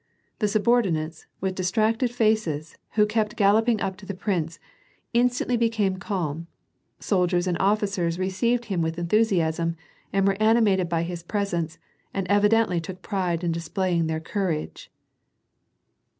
The subordinates, with distracted faces, who kept galloping up to the prince, instantly became calm; soldiers and officers received him with enthu •siasm, and were animated by his presence and evidently took pride in displaying their courage.